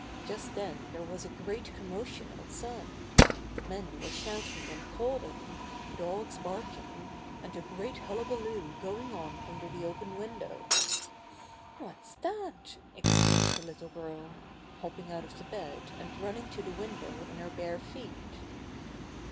Just then there was a great commotion outside. Men were shouting and calling, dogs barking, and a great hullabaloo going on under the open window. 106 Bus ter the Bear "What's that!" exclaimed the little girl, hopping out of the bed, and running to the window in her bare feet.